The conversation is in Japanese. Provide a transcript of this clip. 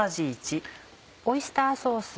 オイスターソース。